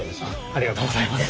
ありがとうございます。